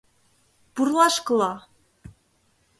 — Пурлашкыла!